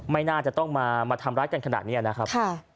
ไม่น่าจะต้องมาทำร้ายกันขนาดนี้นะครับ